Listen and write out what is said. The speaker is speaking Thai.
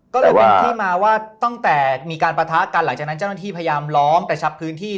ก็เลยเป็นที่มาว่าตั้งแต่มีการปะทะกันหลังจากนั้นเจ้าหน้าที่พยายามล้อมกระชับพื้นที่